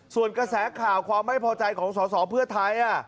ส่วนกระแสข่าวความไม่พอใจของสอสอเพื่อไทย